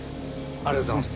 ありがとうございます。